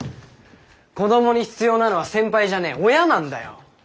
子どもに必要なのは先輩じゃねえ親なんだよ。